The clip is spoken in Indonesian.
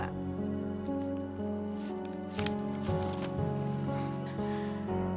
aku udah tahu semua sekarang tau gak